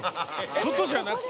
外じゃなくて？